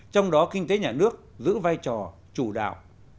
trong đó kinh tế nhà nước giữ vai trò chủ đạo